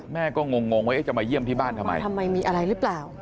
แม่ก็งงงว่าจะมาเยี่ยมที่บ้านทำไมทำไมมีอะไรหรือเปล่า